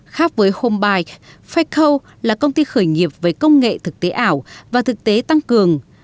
khác với home fako là công ty khởi nghiệp về công nghệ thực tế ảo và thực tế tăng cường